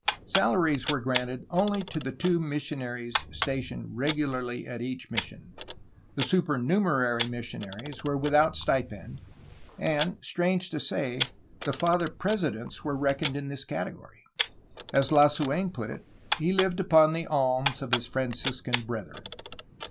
Salaries were granted only to the two missionaries stationed regularly at each mission. The supernumerary missionaries were without stipend, and, strange to say, the Father Presidents were reckoned in this category. As Lasu^n put it, he lived upon the alms of his Franciscan brethren.